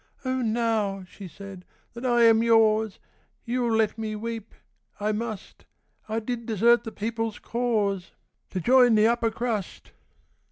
'Oh now,' she said, 'that I am yaws You'll let me weep I must I did desert the people's cause To join the upper crust.